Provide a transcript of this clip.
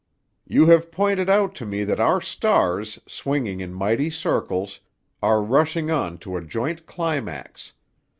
"'You have pointed out to me that our stars, swinging in mighty circles, are rushing on to a joint climax.